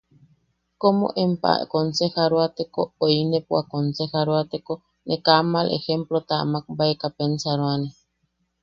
Komo empa konsejaroateko o inepa konsejaroateko, ne kaa mal ejemplota makbaeka pensaroane.